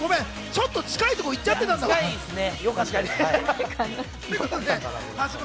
ちょっと近いとこいっちゃってたね。